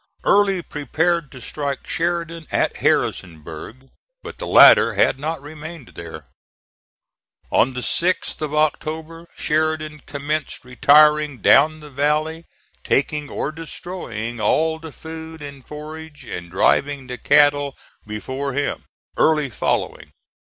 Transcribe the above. Early prepared to strike Sheridan at Harrisonburg; but the latter had not remained there. On the 6th of October Sheridan commenced retiring down the valley, taking or destroying all the food and forage and driving the cattle before him, Early following.